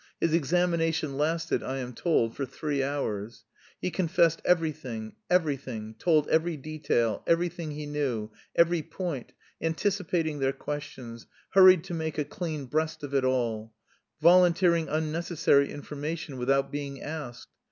His examination lasted, I am told, for three hours. He confessed everything, everything, told every detail, everything he knew, every point, anticipating their questions, hurried to make a clean breast of it all, volunteering unnecessary information without being asked.